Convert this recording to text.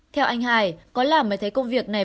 theo anh hải có làm mới thấy công việc này